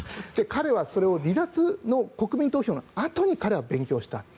彼はそれを離脱の国民投票のあとに勉強したと。